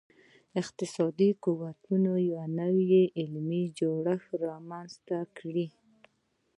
اقتصادي قوتونو یو نوی علمي جوړښت رامنځته کړي.